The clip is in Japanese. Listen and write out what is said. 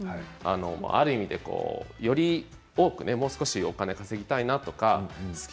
ある意味、より多くもう少しお金を稼ぎたい。